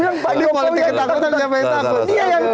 ini politik ketakutan siapa yang takut